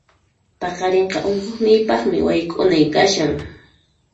Paqarinqa unquqniypaqmi wayk'unay kashan.